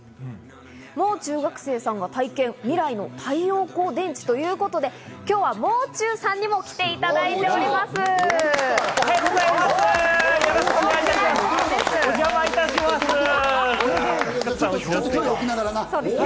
もう中学生さんが体験、未来の太陽光電池ということで、今日は、もう中さんにも来ていただいております。